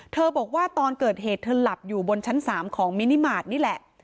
บอกว่าตอนเกิดเหตุเธอหลับอยู่บนชั้น๓ของมินิมาตรนี่แหละ